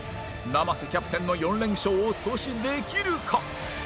生瀬キャプテンの４連勝を阻止できるか！？